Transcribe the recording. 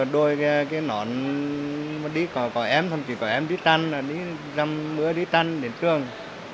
đôi cái nón đi có em thầm gì có em đi tranh đi răm mưa đi tranh đến trường